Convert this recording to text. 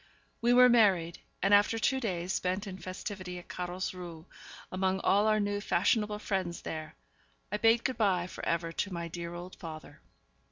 We were married; and after two days spent in festivity at Carlsruhe, among all our new fashionable friends there, I bade good by for ever to my dear old father.